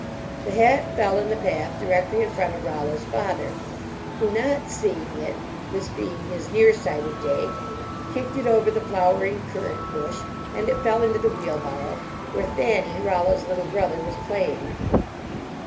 The hat fell in the path directly in front of Rollo s father, 45 LEARNING TO WORK who, not seeing it this being his near sighted day kicked it over the flowering current bush, and it fell into the wheelbarrow where Thanny, Rollo s little brother, was playing.